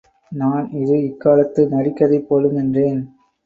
நான்— இது இக் காலத்து நரிக்கதை போலும் என்றேன்.